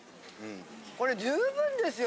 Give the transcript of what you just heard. これ十分ですよ